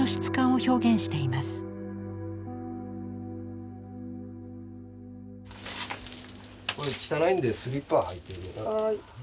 汚いんでスリッパ履いて下さい。